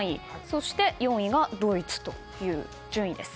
そして４位がドイツという順位です。